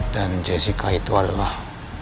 dan jessica itu adalah